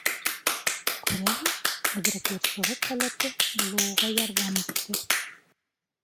Күрәһең, әҙерәк йырсылыҡ һәләте булыу уға ярҙам итте.